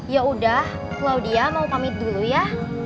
ya udah claudia mau pamit dulu ya